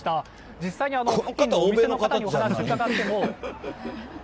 実際にお店の方にお話伺っても。